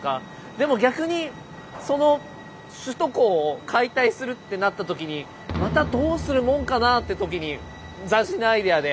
でも逆にその首都高を解体するってなった時にまたどうするもんかなって時に斬新なアイデアで。